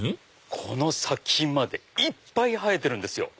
この先までいっぱい生えてるんですよ。